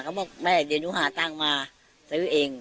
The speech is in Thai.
เขาบอกแม่เดี๋ยวหนูหาตังค์มาซื้อเอง